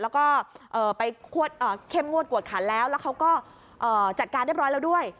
แล้วก็ไปเข้มงวดกวดขันแล้วแล้วเขาก็จัดการเรียบร้อยแล้วด้วย